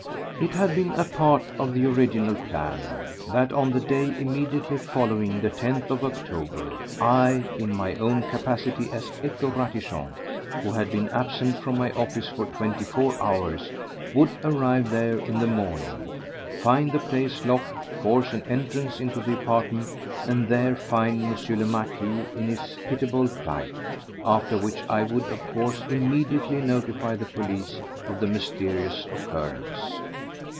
It had been a part of the original plan that, on the day immediately following the tenth of October, I, in my own capacity as Hector Ratichon, who had been absent from my office for twenty four hours, would arrive there in the morning, find the place locked, force an entrance into the apartment, and there find M. le Marquis in his pitiable plight. After which I would, of course, immediately notify the police of the mysterious occurrence.